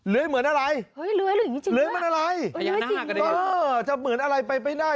เลื้อยเหมือนอะไรเลื้อยมันอะไรเลื้อยเหมือนอะไรเออจะเหมือนอะไรไปไม่ได้